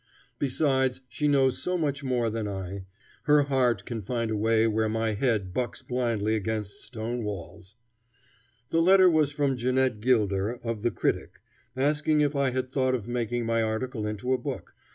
Besides, she knows so much more than I. Her heart can find a way where my head bucks blindly against stone walls. The letter was from Jeanette Gilder, of the Critic, asking if I had thought of making my article into a book.